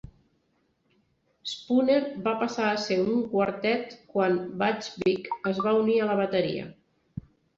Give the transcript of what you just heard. Spooner va passar a ser un quartet quan Butch Vig es va unir a la bateria.